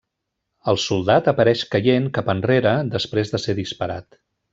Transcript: El soldat apareix caient cap enrere després de ser disparat.